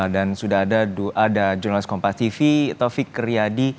dan sudah ada jurnalis kompas tv taufik keriadi